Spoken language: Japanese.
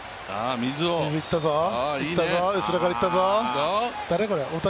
水いったぞ、後ろから行ったぞ。